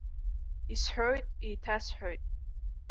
Исҳәоит, еиҭасҳәоит.